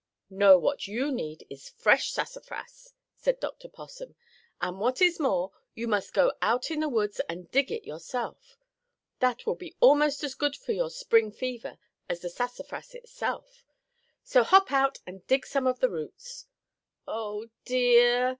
"No, what is needed is fresh sassafras," said Dr. Possum. "And, what is more, you must go out in the woods and dig it yourself. That will be almost as good for your Spring fever as the sassafras itself. So hop out, and dig some of the roots." "Oh, dear!"